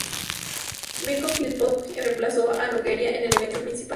Mirko Filipović reemplazó a Nogueira en el evento principal.